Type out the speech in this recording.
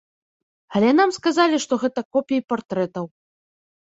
Але нам сказалі, што гэта копіі партрэтаў.